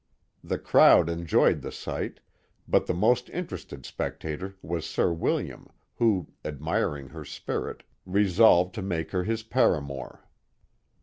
The crowd enjoyed the sight, but the most interested spectator was Sir William, who, admiring her spirit, resolved to make her his paramour.